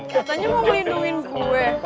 katanya mau melindungi gue